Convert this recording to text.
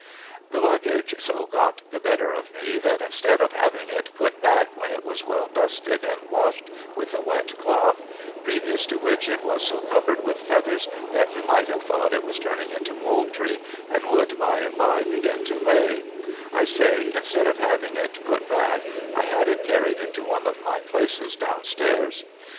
The Luggage so got the better of me, that instead of having it put back when it was well dusted and washed with a wet cloth, — previous to which it was so covered with feathers that you might have thought it was turning into poultry, and would by and by begin to Lay, — I say, instead of having it put back, I had it carried into one of my places down stairs.